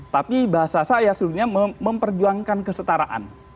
tapi bahasa saya sebenarnya memperjuangkan kesetaraan